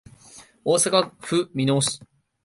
大阪府箕面市